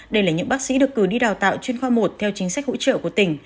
đây là những bác sĩ được cử đi đào tạo chuyên khoa một theo chính sách hỗ trợ của tỉnh